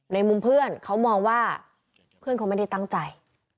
ในมุมเพื่อนเขามองว่าเพื่อนเขาไม่ได้ตั้งใจ